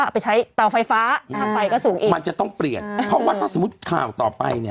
ไปใช้เตาไฟฟ้าค่ะไฟก็สูงมากจะต้องเปรียบเพราะงั้นถ้าสิมมุติข่าวต่อไปนี้